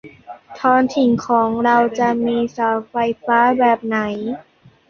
ท้องถิ่นของเราจะมีเสาไฟฟ้าแบบใด